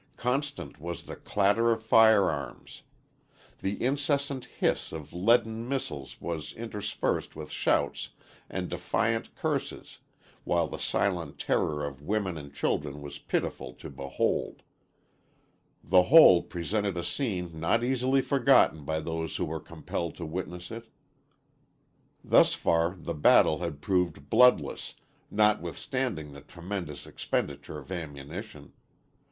Constant was the clatter of firearms. The incessant hiss of leaden missiles was interspersed with shouts and defiant curses while the silent terror of women and children was pitiful to behold. The whole presented a scene not easily forgotten by those who were compelled to witness it. Thus far the battle had proved bloodless, notwithstanding the tremendous expenditure of ammunition.